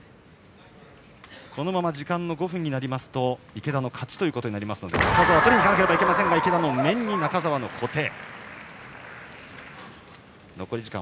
このまま時間の５分になりますと池田の勝ちとなりますので中澤は急がないといけませんが池田の面に中澤の小手。